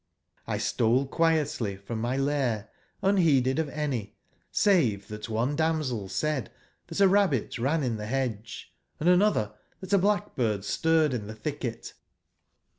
1 stole quietly from my lair unheeded of any, save that one damsel said that a rabbit ran in the hedge, and another that a blackbird stirred in the thicket.